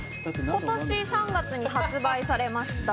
今年３月に発売されました、